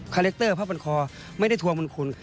คาเล็กเตอร์ภาพบรรคคอไม่ได้ทวงบนคุณ